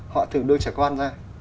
họ thường đưa trẻ con ra